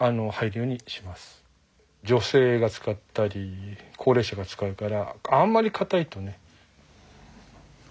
女性が使ったり高齢者が使うからあんまりかたいとね。